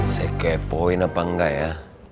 sekepoin apa enggak ya